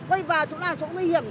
quay vào chỗ nào là chỗ nguy hiểm